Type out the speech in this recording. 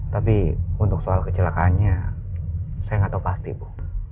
tapi untuk soal kecelakaannya saya nggak tahu pasti bu